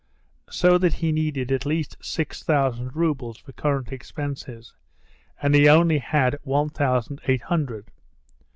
So that he needed at least six thousand roubles for current expenses, and he only had one thousand eight hundred.